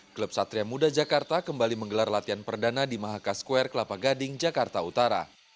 klub satria muda jakarta kembali menggelar latihan perdana di mahaka square kelapa gading jakarta utara